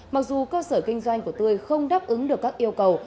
mặc dù cơ sở kinh doanh của tươi không đáp ứng được các yêu cầu